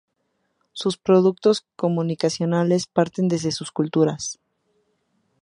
Sus productos comunicacionales parten desde sus culturas.